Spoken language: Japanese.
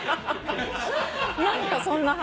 何かそんな話。